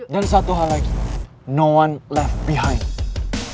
dan satu hal lagi no one left behind